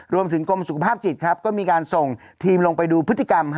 รวมถึงกรมสุขภาพจิตครับก็มีการส่งทีมลงไปดูพฤติกรรม